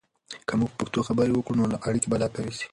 که موږ په پښتو خبرې وکړو، نو اړیکې به لا قوي سي.